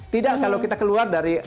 tidak kalau kita keluar dari log out